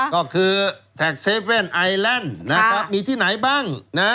ก็คือแท็กเซเว่นไอแลนด์นะครับมีที่ไหนบ้าง